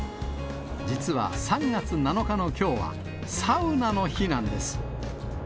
実は３月７日のきょうは、サウナの日なんです。